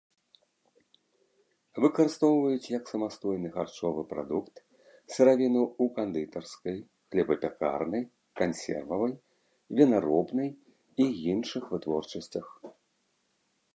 Выкарыстоўваюць як самастойны харчовы прадукт, сыравіну ў кандытарскай, хлебапякарнай, кансервавай, вінаробнай і іншых вытворчасцях.